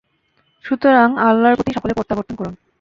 সুতরাং আল্লাহর প্রতি সকলে প্রত্যাবর্তন করুন!